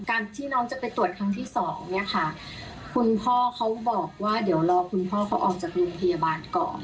การที่น้องจะไปตรวจครั้งที่สองเนี่ยค่ะคุณพ่อเขาบอกว่าเดี๋ยวรอคุณพ่อเขาออกจากโรงพยาบาลก่อน